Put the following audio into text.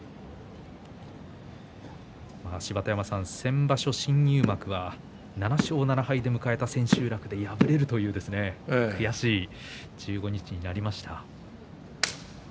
芝田山さん、先場所新入幕は７勝７敗で迎えた千秋楽で敗れるという悔しい１５日間になりました。